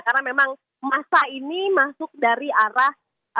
karena memang masa ini masuk dari arah